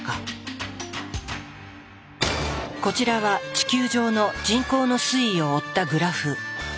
こちらは地球上の人口の推移を追ったグラフ。